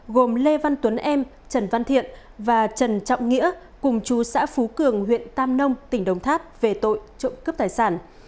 gồm lê văn tuấn em trần văn thiện và trần trọng nghĩa cùng chú xã phú cường huyện tam nông tỉnh đồng tháp về tội trộm cướp tài sản